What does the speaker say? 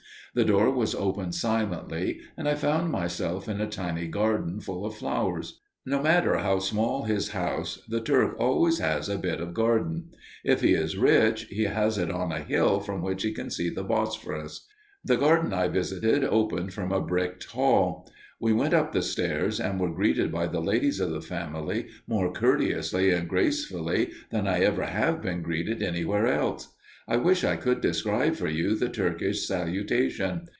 The door was opened silently, and I found myself in a tiny garden full of flowers. No matter how small his house, the Turk always has a bit of a garden. If he is rich, he has it on a hill from which he can see the Bosporus. The garden I visited opened from a bricked hall. We went up the stairs and were greeted by the ladies of the family more courteously and gracefully than I ever have been greeted anywhere else. I wish I could describe for you the Turkish salutation.